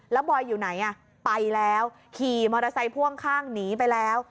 แล้วบอยอยู่ไหนไปแล้วขี่มอเตอร์ไซค์พ่วงข้างหนีไปแล้ว